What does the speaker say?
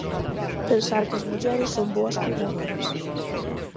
Pensar que as mulleres son boas coidadoras.